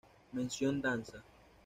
Mención Danza.